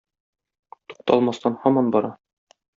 Тукталмастан һаман бара.